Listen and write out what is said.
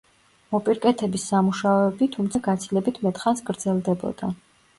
მოპირკეთების სამუშაოები თუმცა გაცილებით მეტ ხანს გრძელდებოდა.